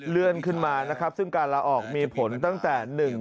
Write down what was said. เลื่อนขึ้นมานะครับซึ่งการลาออกมีผลตั้งแต่หนึ่ง